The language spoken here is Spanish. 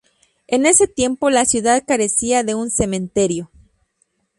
En este tiempo, la ciudad carecía de un cementerio.